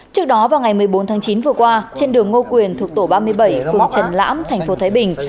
trước đó vào ngày một mươi bốn tháng chín vừa qua trên đường ngô quyền thuộc tổ ba mươi bảy phường trần lãm thành phố thái bình